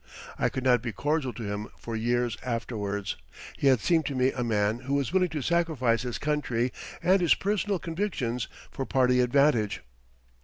I could not be cordial to him for years afterwards. He had seemed to me a man who was willing to sacrifice his country and his personal convictions for party advantage.